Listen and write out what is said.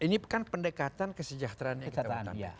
ini kan pendekatan kesejahteraan